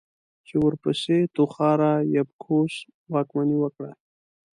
چې ورپسې توخارا يبگوس واکمني وکړه.